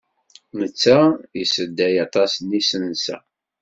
Netta yessedday aṭas n yisensa.